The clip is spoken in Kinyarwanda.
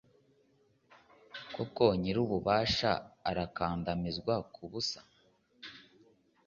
koko, nyir'ububasha arankandamiza ku busa